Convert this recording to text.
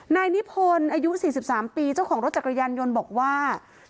นายนิพนธ์อายุ๔๓ปีเจ้าของรถจักรยานยนต์บอกว่า